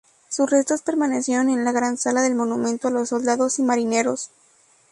Sus restos permanecieron en la Gran Sala del Monumento a los Soldados y Marineros.